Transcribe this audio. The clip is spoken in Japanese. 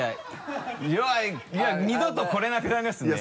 いや二度と来れなくなりますね。